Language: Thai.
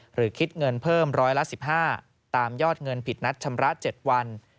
หรือคิดเงินเพิ่มร้อยละ๑๕ตามยอดเงินผิดนัดชำระ๗วัน